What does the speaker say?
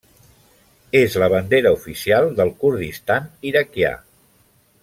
És la bandera oficial del Kurdistan Iraquià.